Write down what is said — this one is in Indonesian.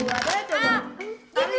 gigi gue ntar patah